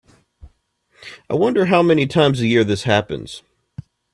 I wonder how many times a year this happens.